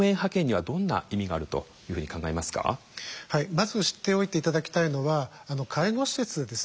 はいまず知っておいて頂きたいのは介護施設はですね